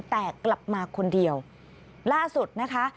แต่กลับมาคนเดียวล่าสุดนะคะ